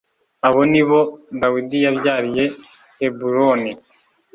Abo ni bo Dawidi yabyariye i Heburoni.